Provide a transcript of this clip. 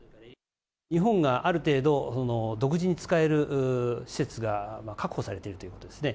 日本がある程度、独自に使える施設が、確保されているということですね。